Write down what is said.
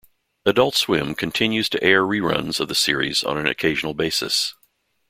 Adult Swim continues to air reruns of the series on an occasional basis.